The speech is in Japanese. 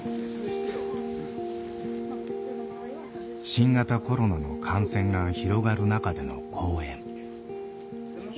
新型コロナの感染が広がる中での公演。